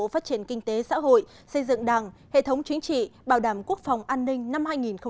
phát triển kinh tế xã hội xây dựng đảng hệ thống chính trị bảo đảm quốc phòng an ninh năm hai nghìn một mươi chín